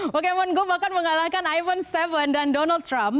pokemon go akan mengalahkan iphone tujuh dan donald trump